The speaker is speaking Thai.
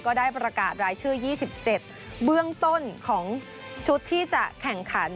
ก็ได้ประกาศรายชื่อ๒๗เบื้องต้นของชุดที่จะแข่งขัน